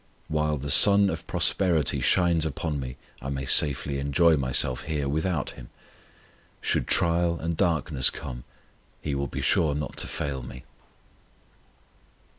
While the sun of prosperity shines upon me I may safely enjoy myself here without Him. Should trial and darkness come He will be sure not to fail me.